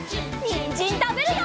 にんじんたべるよ！